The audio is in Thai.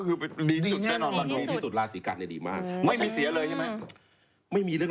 โอ้โฮพี่อาชาวงานเยอะช่วงนี้เนอะอเจมส์แน่นอน